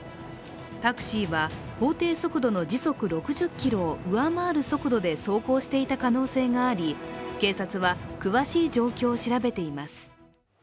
タクシーは法定速度の時速６０キロを上回る速度で走行していた可能性があり警察は詳しい状況を調べています。